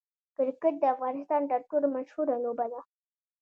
کرکټ د افغانستان تر ټولو مشهوره لوبه ده.